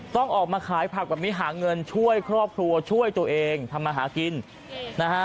ต้องออกมาขายผักแบบนี้หาเงินช่วยครอบครัวช่วยตัวเองทำมาหากินนะฮะ